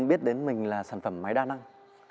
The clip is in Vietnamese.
biết đến mình là sản phẩm máy đa năng